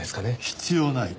必要ない。